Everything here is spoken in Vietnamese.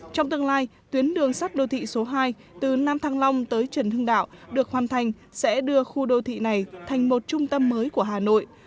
trong tương lai tuyến đường sắt đô thị số hai từ nam thăng long tới trần hưng đạo được hoàn thành sẽ đưa khu đô thị này thành một trung tâm mới của hà nội